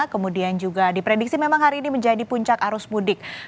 kemudian juga diprediksi memang hari ini menjadi puncak arus mudik